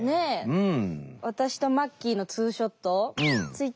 うん。